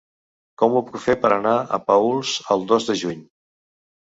Com ho puc fer per anar a Paüls el dos de juny?